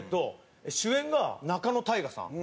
主演が、仲野太賀さん。